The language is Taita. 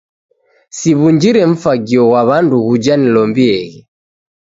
Siw'unjire mfagio ghwa w'andu ghuja nilombieghe.